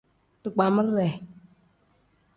Digbamire.